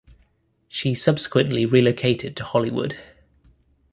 She subsequently relocated to Hollywood.